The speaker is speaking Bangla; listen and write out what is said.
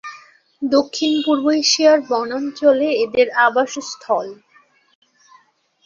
দক্ষিণ-পূর্ব এশিয়ার বনাঞ্চলে এদের আবাসস্থল।